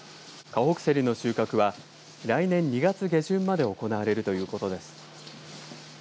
河北せりの収穫は来年２月下旬まで行われるということです。